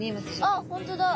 あっ本当だ。